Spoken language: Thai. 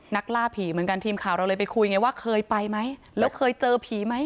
ล่าผีเหมือนกันทีมข่าวเราเลยไปคุยไงว่าเคยไปไหมแล้วเคยเจอผีไหม